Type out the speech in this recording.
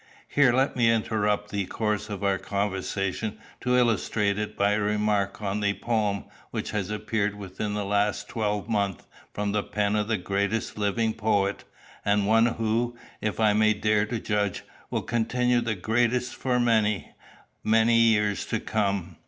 Here let me interrupt the course of our conversation to illustrate it by a remark on a poem which has appeared within the last twelvemonth from the pen of the greatest living poet, and one who, if I may dare to judge, will continue the greatest for many, many years to come.